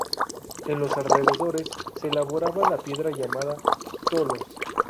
En los alrededores se elabora la piedra llamada Tholos.